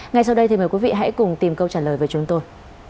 ngay sau đây thì mời quý vị hãy cùng tìm câu trả lời với chúng tôi